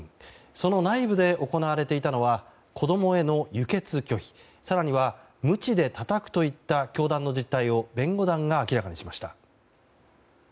その内部で行われていたのは子供への輸血拒否更には、むちでたたくといった教団の実態を弁護団が明らかにしました。